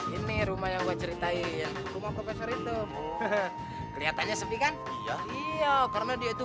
ini rumah yang ceritain rumah profesor itu kelihatannya sedih kan iya karena dia itu